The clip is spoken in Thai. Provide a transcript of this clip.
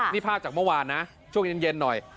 นี่ภาพจากเมื่อวานนะช่วงเย็นหน่อย